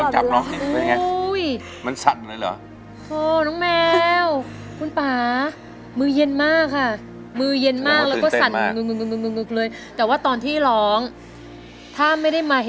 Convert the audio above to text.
ช่วยฝากซากรักเศร้าของเราได้ไหม